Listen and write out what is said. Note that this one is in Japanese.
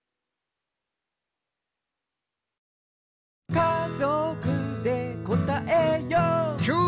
「かぞくでこたえよう」キュー！